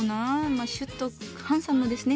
まあシュッとハンサムですね。